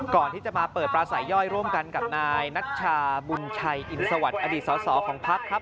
ก่อนที่จะมาเปิดปลาสายย่อยร่วมกันกับนายนัชชาบุญชัยอินสวัสดิอดีตสอสอของพักครับ